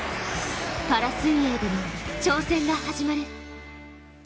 パラ水泳での挑戦が始まる。